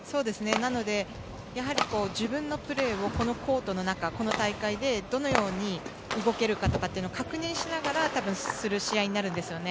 なので、自分のプレーをこのコートの中この大会でどのように動けるかとかって確認しながら多分、する試合になるんですよね。